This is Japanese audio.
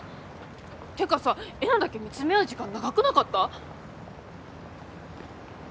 てかさえなだけ見つめ合う時間長くなかった？